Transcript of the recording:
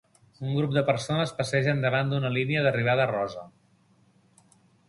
Un grup de persones passegen davant d'una línia d'arribada rosa.